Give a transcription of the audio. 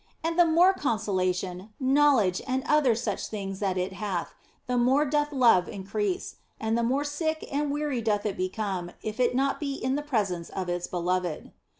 And the more consolation, knowledge, and other such things that it hath, the more doth love increase, and the more sick and weary doth it become if it be not in the presence of its beloved.